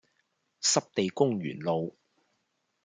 濕地公園路